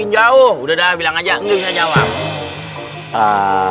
jauh udah bilang aja